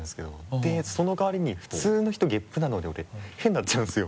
でその代わりに普通の人ゲップなので俺屁になっちゃうんですよ。